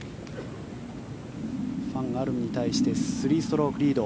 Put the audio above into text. ファン・アルムに対して３ストロークリード。